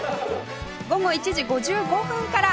午後１時５５分から！